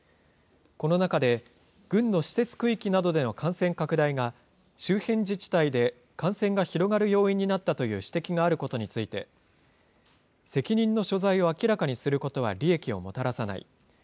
この中で、軍の施設区域などでの感染拡大が、周辺自治体で感染が広がる要因になったという指摘があることについて、責任の所在を明らかにすることは利益をもたらさない。